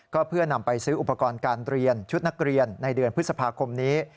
ก็เพื่อนำไปซื้ออุปกรณ์การเรียนชุดนักเรียนในเดือนพฤษภาคมนี้